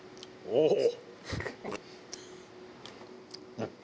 うん！